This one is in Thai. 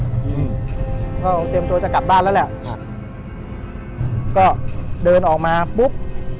อืมก็เตรียมตัวจะกลับบ้านแล้วแหละครับก็เดินออกมาปุ๊บ